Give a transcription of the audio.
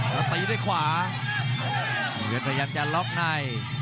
แล้วตีด้วยขวาเพราะฉะนั้นพยายามจะล็อคใน